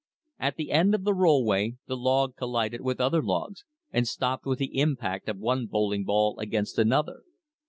At the end of the rollway the log collided with other logs and stopped with the impact of one bowling ball against another.